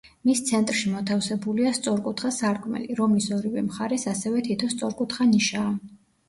მის ცენტრში მოთავსებულია სწორკუთხა სარკმელი, რომლის ორივე მხარეს ასევე თითო სწორკუთხა ნიშაა.